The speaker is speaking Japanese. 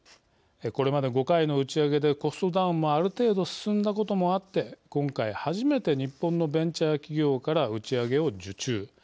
これまで５回の打ち上げでコストダウンもある程度進んだこともあって今回初めて日本のベンチャー企業から打ち上げを受注。